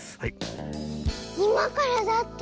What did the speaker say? いまからだって！